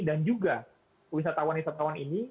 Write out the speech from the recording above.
dan juga wisatawan wisatawan ini